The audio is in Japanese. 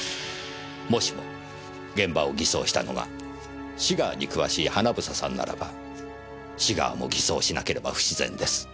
もしも現場を偽装したのがシガーに詳しい英さんならばシガーも偽装しなければ不自然です。